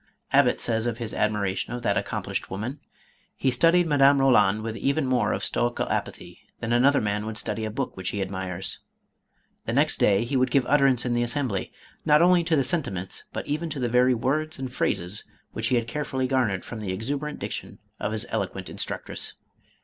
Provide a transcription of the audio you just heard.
Abbott says of his admiration of that accomplished woman, " He studied Madame Eoland with even more of stoical apathy, than another man would study a book which he admires. The next day he would give utterance in the Assembly, not only to the sentiments but even to the very words and phrases which he had carefully garnered from the exuberant diction of his eloquent instructress.